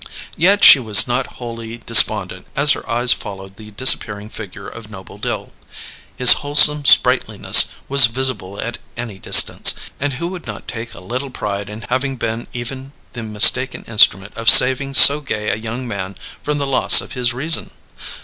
Yet she was not wholly despondent as her eyes followed the disappearing figure of Noble Dill. His wholesome sprightliness was visible at any distance; and who would not take a little pride in having been even the mistaken instrument of saving so gay a young man from the loss of his reason?